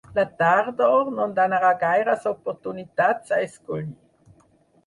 La tardor no donarà gaires oportunitats a escollir.